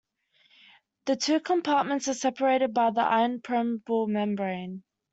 The two compartments are separated by an ion-permeable membrane.